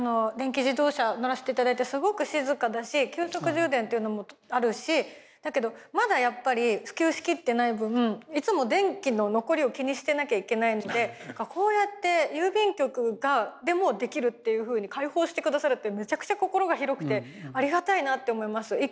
電気自動車乗らせて頂いてすごく静かだし急速充電っていうのもあるしだけどまだやっぱり普及しきってない分いつも電気の残りを気にしてなきゃいけないのでこうやって郵便局でもできるっていうふうに開放して下さるってめちゃくちゃ心が広くてありがたいなって思います。